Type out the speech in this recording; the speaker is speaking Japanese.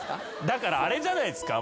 だからあれじゃないですか？